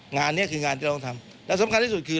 งานนี้คืองานที่เราต้องทำและสำคัญที่สุดคือ